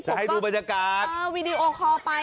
จะให้ดูบรรยากาศเออวิดีโอคอล์ไป